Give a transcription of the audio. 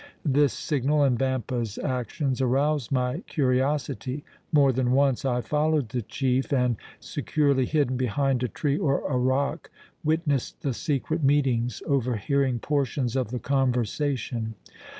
This signal and Vampa's actions aroused my curiosity; more than once I followed the chief and, securely hidden behind a tree or a rock, witnessed the secret meetings, overhearing portions of the conversation.